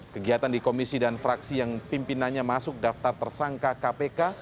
kegiatan di komisi dan fraksi yang pimpinannya masuk daftar tersangka kpk